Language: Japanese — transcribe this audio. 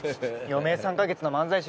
「余命３ヶ月の漫才師」。